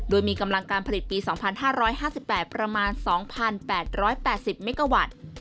โดยมีกำลังการผลิตปี๒๕๕๘ประมาณ๒๘๘๐เมกาวัตต์